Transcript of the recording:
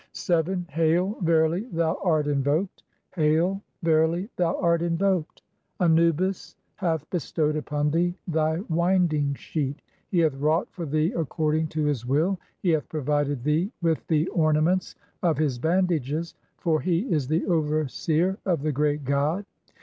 VII. "Hail, verily thou art invoked ; hail, verily thou art in "voked. Anubis hath bestowed upon thee thy winding sheet, "he hath (40) wrought [for thee] according to his will, he "hath provided thee with the ornaments of his bandages, for "he is the overseer of the great god.